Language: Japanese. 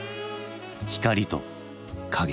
光と影。